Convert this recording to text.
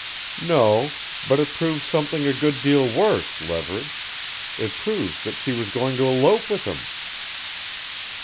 "No but it proves something a good deal worse, Leverage. It proves that she was going to elope with him."